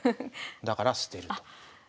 だから捨てると。